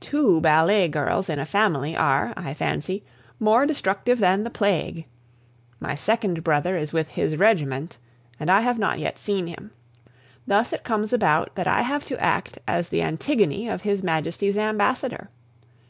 Two ballet girls in a family are, I fancy, more destructive than the plague. My second brother is with his regiment, and I have not yet seen him. Thus it comes about that I have to act as the Antigone of His Majesty's ambassador.